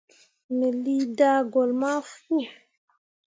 Me lii daagolle ma fu.